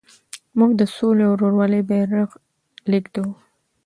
موږ د سولې او ورورولۍ بیرغ لېږدوو.